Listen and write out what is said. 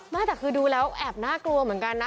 ไม่แต่คือดูแล้วแอบน่ากลัวเหมือนกันนะ